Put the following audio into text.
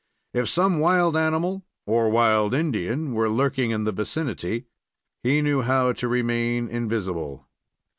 If some wild animal or wild Indian were lurking in the vicinity, he knew how to remain invisible.